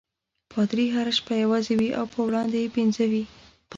پادري هره شپه یوازې وي او په وړاندې یې پنځه وي.